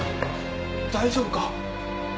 大丈夫か？